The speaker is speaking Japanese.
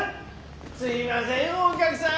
すいませんお客さん